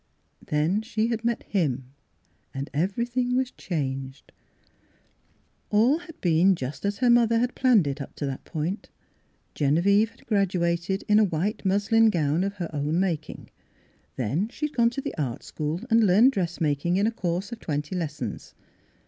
Then she had met him, and everything was changed. All had been just as her mother had planned it up to that point. Genevieve had graduated in a white muslin gown of her own making. Then she had gone to the Art School and learned dress making in a course of twenty lessons.